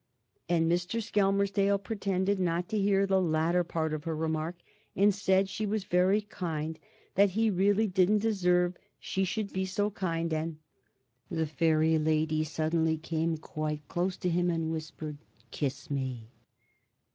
And Mr. Skelmersdale pretended not to hear the latter part of her remark, and said she was very kind. That he really didn't deserve she should be so kind. And The Fairy Lady suddenly came quite close to him and whispered, "Kiss me!"